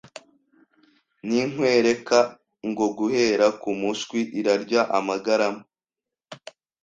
ninkwereka ngo guhera ku mushwi irarya amagarama